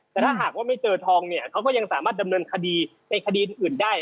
แต่ถ้าหากว่าไม่เจอทองเนี่ยเขาก็ยังสามารถดำเนินคดีในคดีอื่นได้